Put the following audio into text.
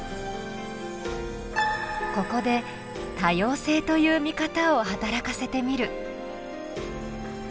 ここで多様性という見方を働かせてみる。